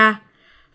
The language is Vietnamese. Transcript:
tribrillie kinh doanh